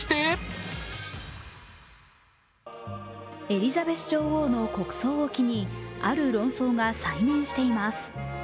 エリザベス女王の国葬を機にある論争が再燃しています。